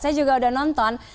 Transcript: saya juga udah nonton